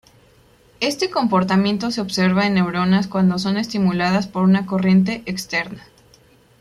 Este comportamiento se observa en neuronas cuando son estimuladas por una corriente externa.